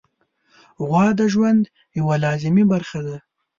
غوا د ژوند یوه لازمي برخه ده.